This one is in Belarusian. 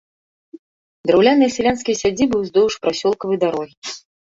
Драўляныя сялянскія сядзібы ўздоўж прасёлкавай дарогі.